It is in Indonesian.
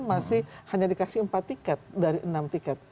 masih hanya dikasih empat tiket dari enam tiket